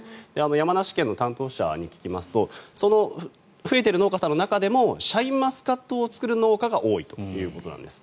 山梨県の担当者に聞きますと増えている農家さんの中でもシャインマスカットを作る農家が多いということなんです。